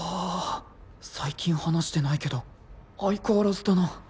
最近話してないけど相変わらずだな